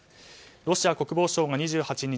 ロシア国防省が２８日